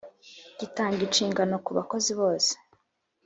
gitanga inshingano ku bakozi bose